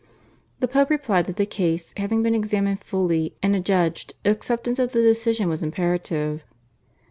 The Pope replied that the case having been examined fully and adjudged acceptance of the decision was imperative.